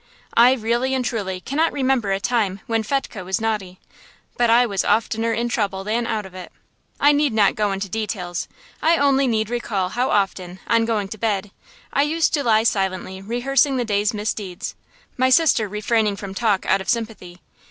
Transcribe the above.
I really and truly cannot remember a time when Fetchke was naughty, but I was oftener in trouble than out of it. I need not go into details. I only need to recall how often, on going to bed, I used to lie silently rehearsing the day's misdeeds, my sister refraining from talk out of sympathy.